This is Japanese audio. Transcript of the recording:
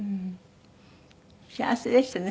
幸せでしたね